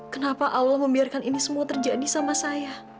kenapa allah membiarkan ini semua terjadi sama saya